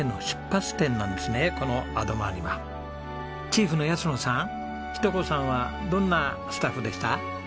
チーフの安野さん日登子さんはどんなスタッフでした？